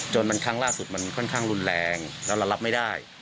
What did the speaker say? จนทั้งล่าสุดมันค่อนข้างรุนแรงเราระลับไม่ได้